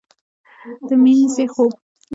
د مینځې خوب